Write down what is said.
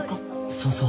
そうそう！